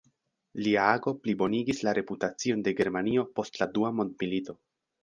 Lia ago plibonigis la reputacion de Germanio post la dua mondmilito.